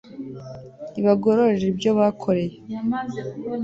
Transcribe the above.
ibagororere ibyo bakoreye